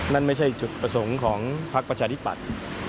นั่นไม่ใช่จุดประสงค์ของพักประชาธิปัตย์